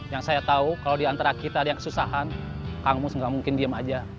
yang saya tahu kalau diantara kita ada yang kesusahan kamus nggak mungkin diem aja